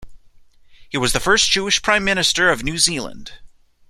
He was the first Jewish prime minister of New Zealand.